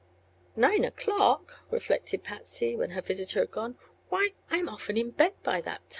"Nine o'clock!" reflected Patsy, when her visitor had gone; "why, I'm often in bed by that time."